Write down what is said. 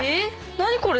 何これ？